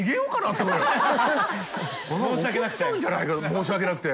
申し訳なくて。